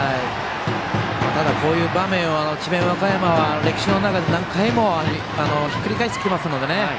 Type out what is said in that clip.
ただ、こういう場面を智弁和歌山は歴史の中で何回もひっくり返してきてますのでね。